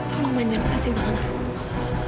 tolong manjakan pasien tangan aku